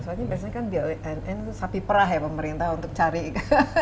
soalnya biasanya kan bumn itu sapi perah ya pemerintah untuk cari ikan